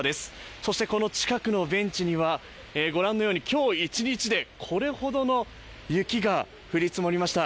そして近くのベンチには、ご覧のように今日一日でこれほどの雪が降り積もりました。